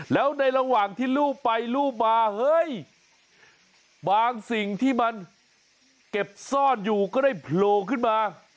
แล้วในระหว่างที่รูปไปรูปมาเฮ้ยบางสิ่งที่มันเก็บซ่อนอยู่ก็ได้โผล่ขึ้นมา